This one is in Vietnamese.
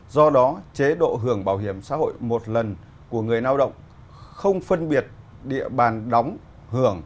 do đó chế độ hưởng bảo hiểm xã hội một lần của người lao động không phân biệt địa bàn đóng hưởng